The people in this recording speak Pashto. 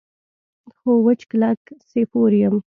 خو وچ کلک سیفور یم.